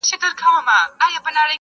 هغه غوټه په غاښو ورڅخه پرې کړه.!